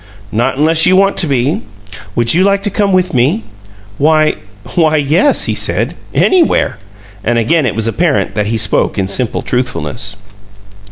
"Not unless you want to be. Would you like to come with me?" "Why why yes," he said. "Anywhere!" And again it was apparent that he spoke in simple truthfulness.